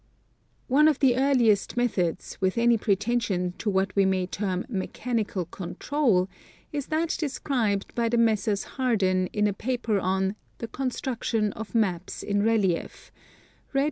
One of the earliest methods, with any pretension to what we may term mechanical control, is that described by the Messrs, Harden in a paper on " The construction of maps in relief," read 258 National Geographic Magazine.